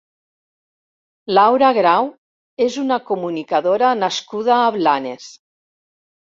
Laura Grau és una comunicadora nascuda a Blanes.